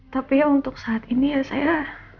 tapi ya untuk saat ini ya saya